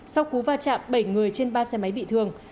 sau cú va chạm bảy người trên ba xe máy bị thương